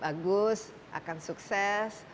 bagus akan sukses